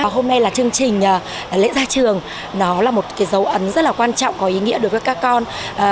hôm nay là chương trình lễ gia trường nó là một cái dấu ấn rất là quan trọng có ý nghĩa đối với các con